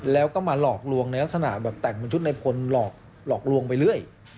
แล้วก็มาหลอกลวงในลักษณะแบบแต่งเป็นชุดในพลหลอกลวงไปเรื่อย